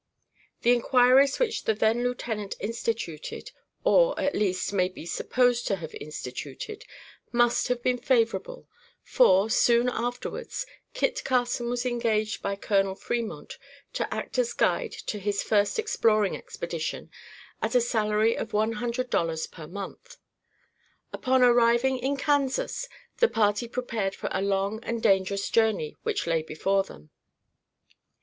The inquiries which the then lieutenant instituted, or, at least, may be supposed to have instituted, must have been favorable; for, soon afterwards, Kit Carson was engaged by Colonel Fremont to act as guide to his first exploring expedition at a salary of one hundred dollars per month. Upon arriving in Kansas the party prepared for a long and dangerous journey which lay before them.